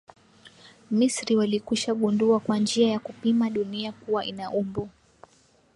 Misri walikwishagundua kwa njia ya kupima dunia kuwa ina umbo